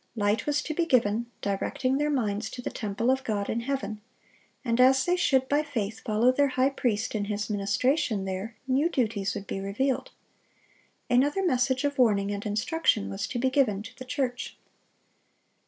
Light was to be given, directing their minds to the temple of God in heaven; and as they should by faith follow their High Priest in His ministration there, new duties would be revealed. Another message of warning and instruction was to be given to the church.